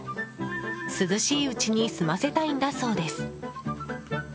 涼しいうちに済ませたいんだそうです。